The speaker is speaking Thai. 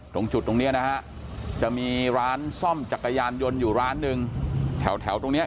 ตรงจุดตรงนี้นะฮะจะมีร้านซ่อมจักรยานยนต์อยู่ร้านหนึ่งแถวตรงเนี้ย